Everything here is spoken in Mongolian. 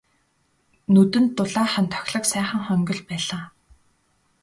Нүдэнд дулаахан тохилог сайхан хонгил байлаа.